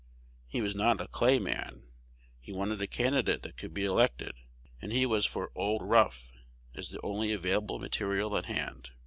He was not a Clay man: he wanted a candidate that could be elected; and he was for "Old Rough," as the only available material at hand.